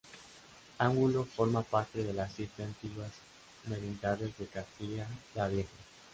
Angulo forma parte de las siete antiguas merindades de Castilla la Vieja.